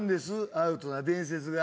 アウトな伝説が。